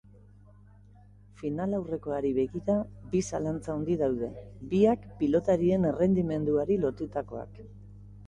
Finalaurrekoari begira, bi zalantza handi daude, biak pilotarien errendimenduari lotutakoak.